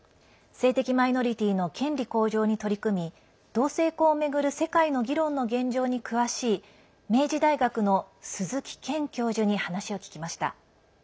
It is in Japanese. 性的マイノリティーの権利向上に取り組み同性婚を巡る世界の議論の現状に詳しい明治大学の鈴木賢教授に話を聞きました。